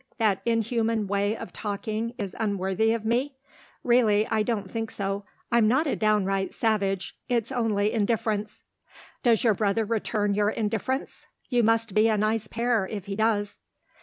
That inhuman way of talking is unworthy of me? Really I don't think so. I'm not a downright savage. It's only indifference." "Does your brother return your indifference? You must be a nice pair, if he does!"